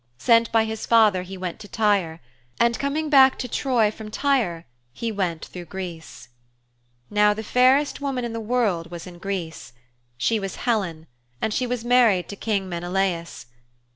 Sent by his father he went to Tyre. And coming back to Troy from Tyre he went through Greece. Now the fairest woman in the world was in Greece; she was Helen, and she was married to King Menelaus.